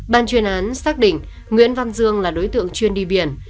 ban chuyên án xác định nguyễn văn dương là đối tượng chuyên đi biển